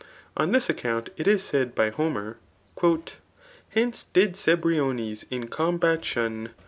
! Oa thisiaccountTt is said [by Homer,'} Hetice dtd CeBriones in 'combat shun, T?